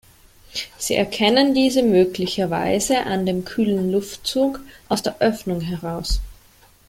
Sie erkennen diese möglicherweise an dem kühlen Luftzug aus der Öffnung heraus.